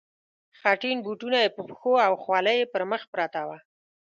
خټین بوټونه یې په پښو او خولۍ یې پر مخ پرته وه.